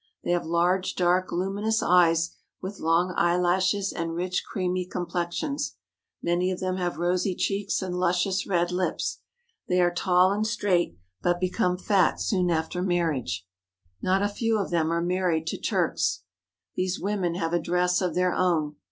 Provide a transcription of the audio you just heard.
They have large, dark, luminous eyes with long eyelashes, and rich, creamy complexions. Many of them have rosy cheeks and lus cious red lips. They are tall and straight, but become 275 THE HOLY LAND AND SYRIA fat soon after marriage. Not a few of them are married to Turks. These women have a dress of their own.